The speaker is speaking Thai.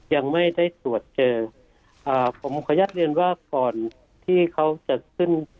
ยังไม่ได้ตรวจเจออ่าผมขออนุญาตเรียนว่าก่อนที่เขาจะขึ้น